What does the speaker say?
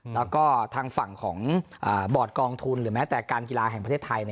แล้วก็ทางฝั่งของบอร์ดกองทุนหรือแม้แต่การกีฬาแห่งประเทศไทย